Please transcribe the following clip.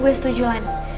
gua setuju lan